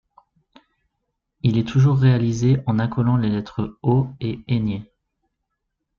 Il est toujours réalisé en accolant les lettres O et Ñ.